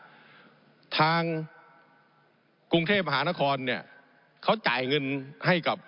ผมอภิปรายเรื่องการขยายสมภาษณ์รถไฟฟ้าสายสีเขียวนะครับ